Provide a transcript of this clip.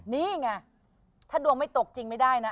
นี่ไงถ้าดวงไม่ตกจริงไม่ได้นะ